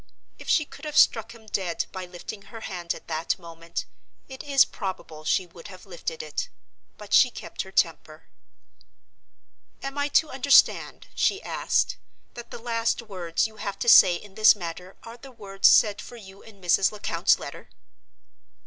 If she could have struck him dead by lifting her hand at that moment, it is probable she would have lifted it. But she kept her temper. "Am I to understand," she asked, "that the last words you have to say in this matter are the words said for you in Mrs. Lecount's letter!"